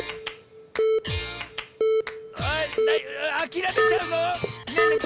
あれあきらめちゃうの⁉ねえねえ